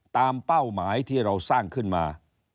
เป้าหมายที่เราสร้างขึ้นมา